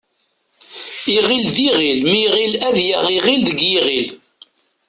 Iɣil d iɣil mi iɣil ad yaɣ iɣil deg yiɣil.